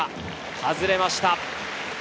外れました。